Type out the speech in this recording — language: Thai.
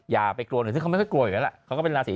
อย่าไปกลัวหน่อยคิดว่าเขาไม่ได้กลัวอยู่แล้วล่ะ